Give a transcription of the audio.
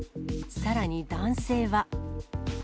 さらに男性は。